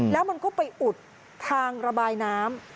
แล้วมันก็ไปอุดทางระบายน้ำ